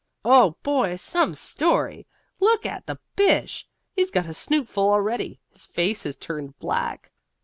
Oh, boy, some story! Look at the Bish! He's got a snootful already his face has turned black!"